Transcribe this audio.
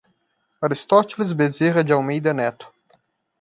Aristoteles Bezerra de Almeida Neto